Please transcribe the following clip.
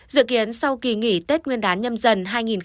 dự kiến sau kỳ nghỉ tết nguyên đán nhâm dần hai nghìn hai mươi